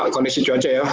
kondisi cuaca ya